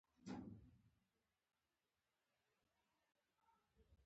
د پېژو افسانه د دې ښه مثال دی.